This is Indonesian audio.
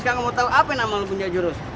sekarang kamu tau apa namanya punya jurus